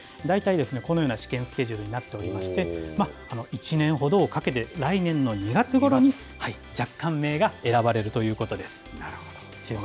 大体ですね、このような試験スケジュールになっておりまして、１年ほどをかけて、来年の２月ごろに、若干名が選ばれるということなるほど。